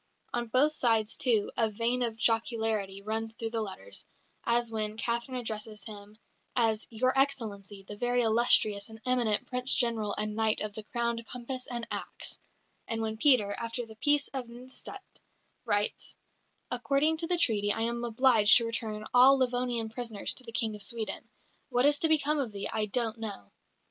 On both sides, too, a vein of jocularity runs through the letters, as when Catherine addresses him as "Your Excellency, the very illustrious and eminent Prince General and Knight of the crowned Compass and Axe"; and when Peter, after the Peace of Nystadt, writes: "According to the Treaty I am obliged to return all Livonian prisoners to the King of Sweden. What is to become of thee, I don't know."